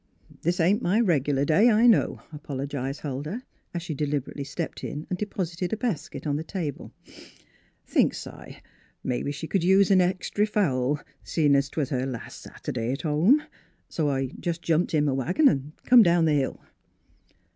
" This ain't my regular day, I know," apologised Huldah, as she deliberately stepped in and deposited a basket on the table. " Thinks s' I, mebbe she c'd use an extry fowl, seein' 'twas her las' Sunday t' home. So I jes' jumped in m' wagon an' come down the hill."